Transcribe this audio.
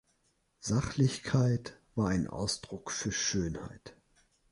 Sachlichkeit war ein Ausdruck für Schönheit.